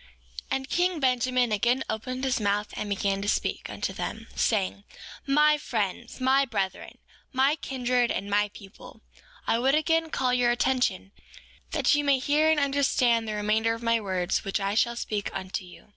4:4 And king Benjamin again opened his mouth and began to speak unto them, saying: My friends and my brethren, my kindred and my people, I would again call your attention, that ye may hear and understand the remainder of my words which I shall speak unto you.